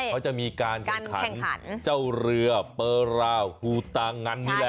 เขาจะมีการแข่งขันเจ้าเรือเปอร์ราวฮูตางันนี่แหละ